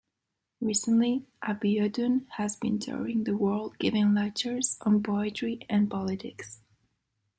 Recently, Abiodun has been touring the world giving lectures on poetry and politics.